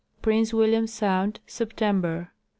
Prince William sound, September.